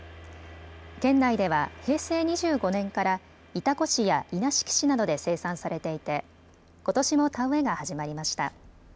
県内では平成２５年から潮来市や稲敷市などで生産されていてことしも田植えが始まりました。